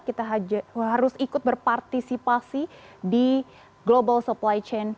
kita harus ikut berpartisipasi di global supply chain